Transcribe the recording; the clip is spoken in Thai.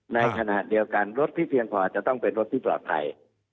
ในขณะเดียวกันรถที่เพียงพอจะต้องเป็นรถที่ปลอดภัย